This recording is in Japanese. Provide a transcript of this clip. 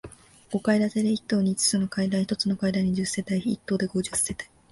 五階建てで、一棟に五つの階段、一つの階段に十世帯、一棟で五十世帯。